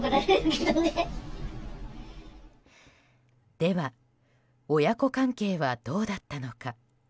では、親子関係はどうだったのか。